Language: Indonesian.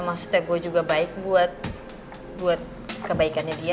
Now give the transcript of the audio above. maksudnya gue juga baik buat kebaikan yang dia